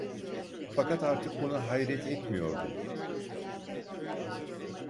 Fakat artık buna hayret etmiyordum.